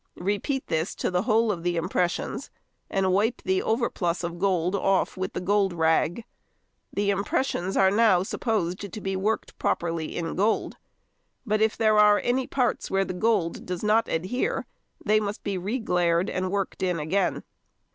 Repeat this to the whole of the impressions, and wipe the overplus of gold off with the gold rag. The impressions are now supposed to be worked properly in gold; but if there are any parts where the gold does not adhere, they must be re glaired and worked in again.